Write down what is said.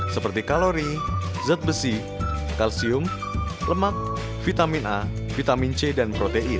seperti kalori zat besi kalsium lemak vitamin a vitamin c dan protein